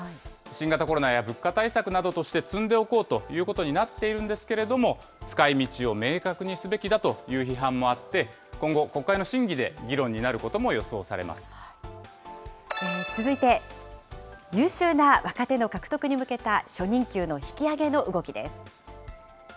新型コロナや物価対策などとして積んでおこうということになっているんですけれども、使いみちを明確にすべきだという批判もあって、今後、国会の審議で議論にな続いて、優秀な若手の獲得に向けた初任給の引き上げの動きです。